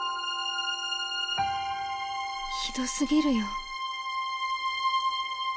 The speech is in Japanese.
ひどすぎるよ。